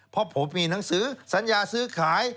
เพราะผมมีหนังสือสัญญาซื้อขาย